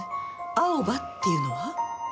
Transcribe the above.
アオバっていうのは？